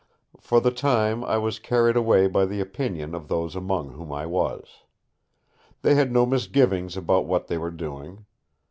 For the time I was carried away by the opinion of those among whom I was. They had no misgivings about what they were doing.